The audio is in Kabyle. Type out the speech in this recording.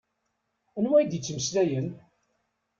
Anwa i d-yettmeslayen?